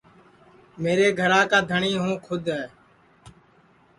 میرے گھرا کا دھٹؔی ہوں کُھد ہے